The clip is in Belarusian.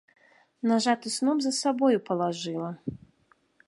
Нажаты сноп за сабою палажыла.